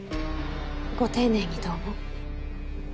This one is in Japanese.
ご丁寧にどうも。